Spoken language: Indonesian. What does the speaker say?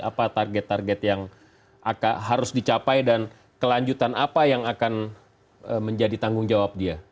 apa target target yang harus dicapai dan kelanjutan apa yang akan menjadi tanggung jawab dia